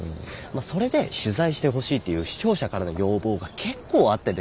それで取材してほしいっていう視聴者からの要望が結構あってですね